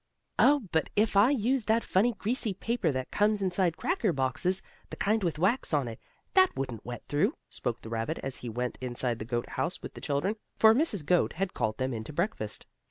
"Oh, but if I use that funny, greasy paper which comes inside cracker boxes the kind with wax on it that wouldn't wet through," spoke the rabbit as he went inside the goat house with the children, for Mrs. Goat had called them in to breakfast.